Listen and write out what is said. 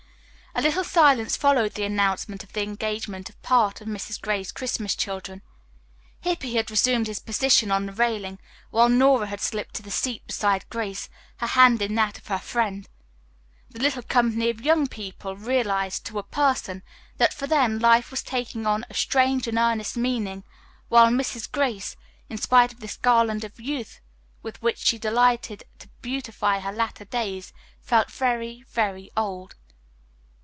A little silence followed the announcement of the engagement of part of Mrs. Gray's Christmas children. Hippy had resumed his position on the railing, while Nora had slipped to the seat beside Grace, her hand in that of her friend. The little company of young people realized, to a person, that for them life was taking on a strange and earnest meaning, while Mrs. Gray, in spite of this garland of youth with which she delighted to beautify her latter days, felt very, very old.